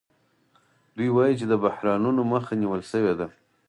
دوی وايي چې د بحرانونو مخه نیول شوې ده